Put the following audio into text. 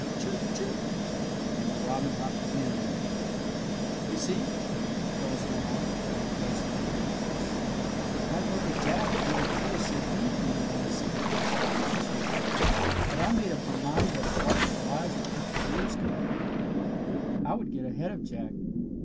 "Chirp! Chirp!" and the robin hopped again nearer. "You see," Phyllis went on, in her coaxing little voice, "my brother Jack, being a boy, said he would be the one to see the first robin this year. "But I made up my mind that if watchful eyes and careful ears could help a little girl, I would get ahead of Jack.